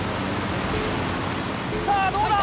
さぁどうだ？